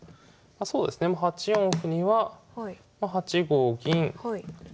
そうですね８四歩には８五銀同飛車